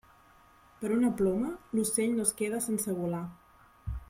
Per una ploma, l'ocell no es queda sense volar.